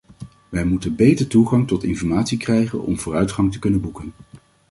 Wij moeten beter toegang tot informatie krijgen om vooruitgang te kunnen boeken.